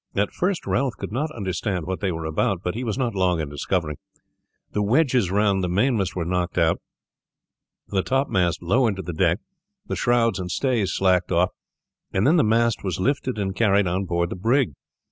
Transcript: At first Ralph could not understand what they were about, but he was not long in discovering. The wedges round the mainmast were knocked out, the topmast lowered to the deck, the shrouds and stays slacked off, and then the mast was lifted and carried on board the brig.